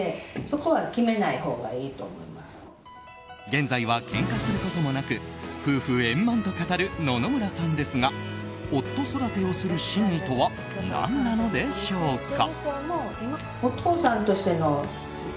現在はけんかすることもなく夫婦円満と語る野々村さんですが夫育てをする真意とは何なのでしょうか。